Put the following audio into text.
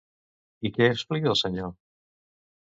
I què explica el senyor?